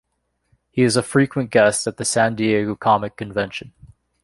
He is a frequent guest at the San Diego Comic Convention.